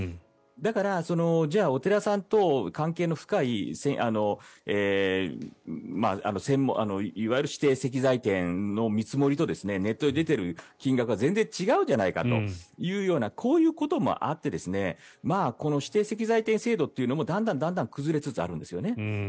だから、じゃあお寺さんと関係の深いいわゆる指定石材店の見積もりとネットで出ている金額が全然違うじゃないかというようなこういうこともあってこの指定石材店制度というのもだんだん崩れつつあるんですね。